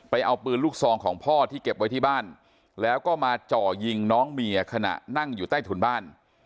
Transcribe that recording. เอาปืนลูกซองของพ่อที่เก็บไว้ที่บ้านแล้วก็มาจ่อยิงน้องเมียขณะนั่งอยู่ใต้ถุนบ้าน